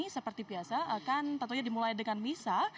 seperti biasa akan tentunya dimulai dengan misa